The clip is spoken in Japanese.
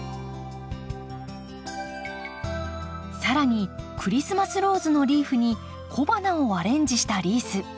更にクリスマスローズのリーフに小花をアレンジしたリース。